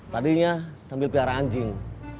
tadinya sambil pihar anjing